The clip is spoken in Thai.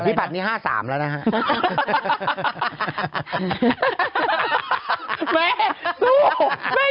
มีลกอดด้วย